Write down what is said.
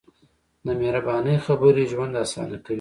د مهربانۍ خبرې ژوند اسانه کوي.